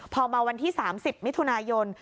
พอมาวันที่๓๐มิถุนายน